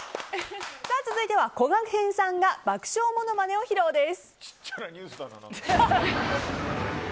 続いては、こがけんさんが爆笑モノマネを披露です。